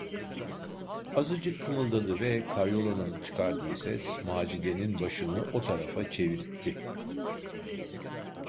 Azıcık kımıldadı ve karyolanın çıkardığı ses Macide’nin başını o tarafa çevirtti.